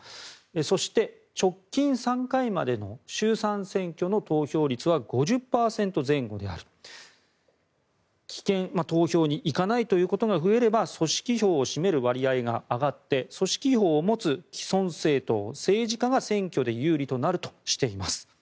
そして、直近３回までの衆参選挙の投票率は５０％前後である棄権、投票に行かないということが増えれば組織票を占める割合が上がって組織票を持つ既存政党政治家が選挙で有利となるとしています。